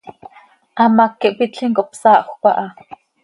Hamác ihpitlim, cohpsaahjöc aha.